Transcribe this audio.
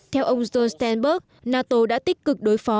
theo ông stoltenberg nato đã tích cực đối phó